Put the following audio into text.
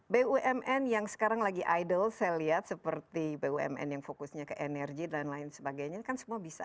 bumn yang sekarang lagi idol saya lihat seperti bumn yang fokusnya ke energi dan lain sebagainya kan semua bisa